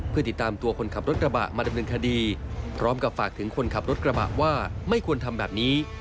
เพื่อติดตามตัวคนขับรถกระบะมาดำเนินคดีพร้อมกับฝากถึงคนขับรถกระบะว่าไม่ควรทำแบบนี้